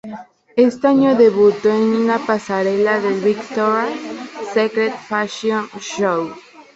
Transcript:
Este año debutó en la pasarela del Victoria's Secret Fashion Show.